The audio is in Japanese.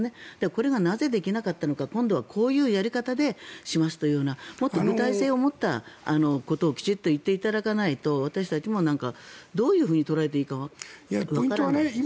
これがなぜ、できなかったのか今度はこういうやり方でしますというもっと具体性を持ったことをきちんと言っていただかないと私たちもどういうふうに捉えていいかわからないですね。